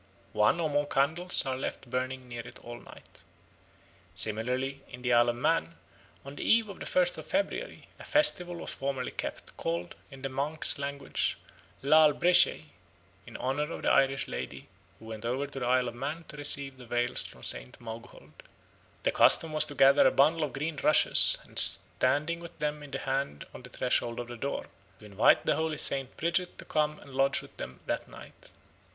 One or more candles are left burning near it all night." Similarly in the Isle of Man "on the eve of the first of February, a festival was formerly kept, called, in the Manks language, Laa'l Breeshey, in honour of the Irish lady who went over to the Isle of Man to receive the veil from St. Maughold. The custom was to gather a bundle of green rushes, and standing with them in the hand on the threshold of the door, to invite the holy Saint Bridget to come and lodge with them that night.